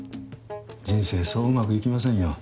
人生そううまくいきませんよ。